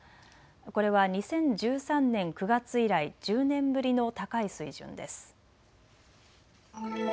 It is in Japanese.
これは２０１３年９月以来１０年ぶりの高い水準です。